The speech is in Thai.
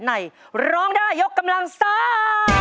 ในร้องได้ยกกำลังซ่า